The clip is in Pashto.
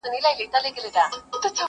نن څراغه لمبې وکړه پر زړګي مي ارمانونه،